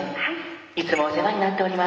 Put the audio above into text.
いつもお世話になっております。